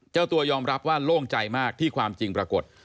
เจ้าตัวยอมรับว่าโล่งใจมากที่ความจริงปรากฏ